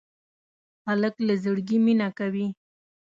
هلک له زړګي مینه کوي.